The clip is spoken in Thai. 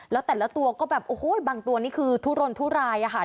แล้วแต่ละตัวก็แบบโอ้โหบางตัวนี่คือทุรนทุรายอะค่ะ